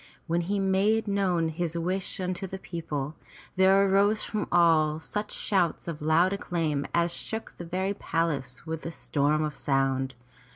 When he made known his wish unto the people, there arose from all such shouts of loud acclaim as shook the very palace with a storm of sound.